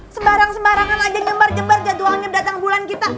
sembarang sembarangan aja nyebar nyebar jadwalannya datang bulan kita